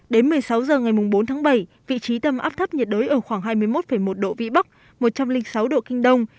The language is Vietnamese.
đến một mươi sáu h ngày bốn tháng bảy vị trí tâm áp thấp nhiệt đới ở khoảng hai mươi một một độ vĩ bắc một trăm linh sáu độ kinh đông